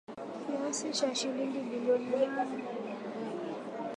Kiasi cha shilingi bilioni nane